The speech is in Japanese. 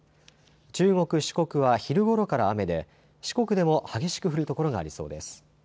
中国、四国は昼ごろから雨で四国でも激しく降る所がありそうです。